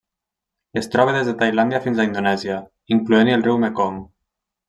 Es troba des de Tailàndia fins a Indonèsia, incloent-hi el riu Mekong.